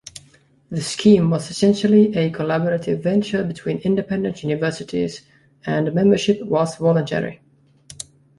The scheme was essentially a collaborative venture between independent universities, and membership was voluntary.